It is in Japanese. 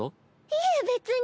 いえ別に。